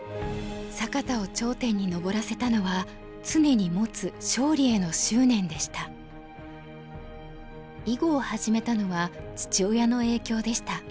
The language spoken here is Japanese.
坂田を頂点に上らせたのは常に持つ囲碁を始めたのは父親の影響でした。